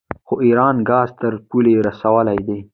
خو ایران ګاز تر پولې رسولی دی.